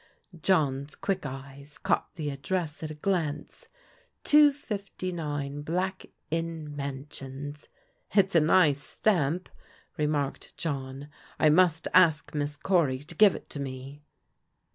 John's quick eyes caught the address at a glance, 259 Black Inn Mansions. " It's a nice stamp," remarked John. " I must ask Miss Cory to give it to me."